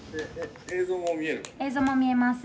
映像も見える？